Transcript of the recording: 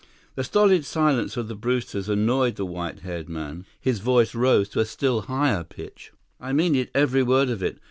The stolid silence of the Brewsters annoyed the white haired man. His voice rose to a still higher pitch: "I mean it, every word of it!